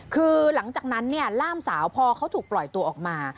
คือหลังจากนั้นเนี่ยล่ามสาวพอเขาถูกปล่อยตัวออกมา